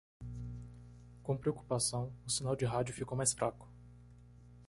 Com preocupação?, o sinal de rádio ficou mais fraco.